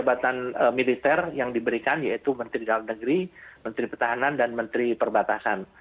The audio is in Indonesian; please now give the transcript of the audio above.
jabatan militer yang diberikan yaitu menteri dalam negeri menteri pertahanan dan menteri perbatasan